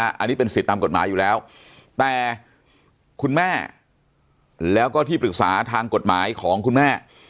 อันนี้เป็นสิทธิ์ตามกฎหมายอยู่แล้วแต่คุณแม่แล้วก็ที่ปรึกษาทางกฎหมายของคุณแม่